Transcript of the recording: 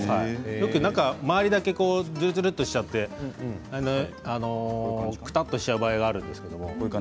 よく周りだけずるずるとしちゃってくたっとしちゃう場合があるんですけど。